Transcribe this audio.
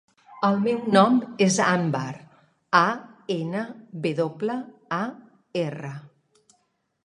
El meu nom és Anwar: a, ena, ve doble, a, erra.